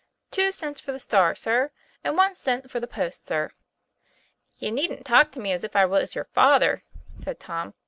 Two cents for the Star, sir, and one cent for the Post, sir." "You needn't talk to me as if I was your father," said Tom.